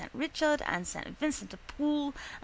Richard and S. Vincent de Paul and S.